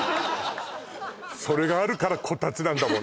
それがあるからこたつなんだもん